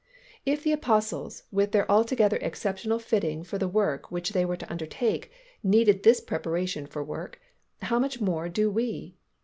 If the Apostles with their altogether exceptional fitting for the work which they were to undertake needed this preparation for work, how much more do we?